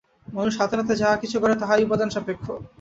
মানুষ হাতে-নাতে যাহা কিছু গড়ে, তাহাই উপাদান-সাপেক্ষ।